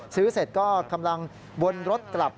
ซื้อเสร็จก็กำลังวนรถกลับ